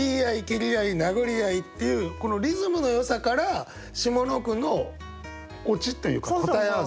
「蹴り合ひ殴り合ひ」っていうこのリズムのよさから下の句のオチっていうか答え合わせ。